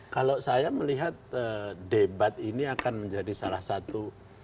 kalau saya melihat debat ini akan menjadi salah satu